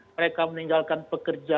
mereka meninggalkan pekerjaan